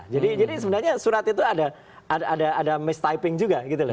jadi sebenarnya surat itu ada mistyping juga